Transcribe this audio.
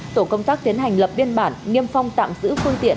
tổ công tác tiến hành lập biên bản niêm phong tạm giữ phương tiện